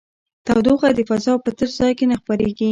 تودوخه د فضا په تش ځای کې نه خپرېږي.